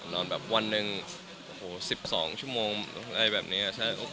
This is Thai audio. นอนแบบวันหนึ่งโอ้โห๑๒ชั่วโมงอะไรแบบนี้